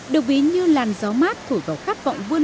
được ví như làn gió mát thổi vào khát vọng vươn